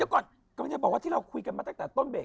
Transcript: เดี๋ยวก่อนก่อนอย่าบอกที่เราคุยกันมาตั้งแต่ต้นเบก